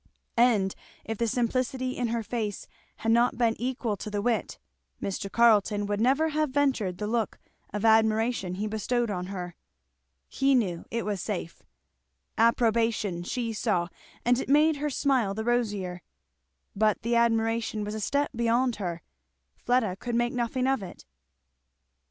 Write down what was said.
And if the simplicity in her face had not been equal to the wit, Mr. Carleton would never have ventured the look of admiration he bestowed on her. He knew it was safe. Approbation she saw, and it made her smile the rosier; but the admiration was a step beyond her; Fleda could make nothing of it.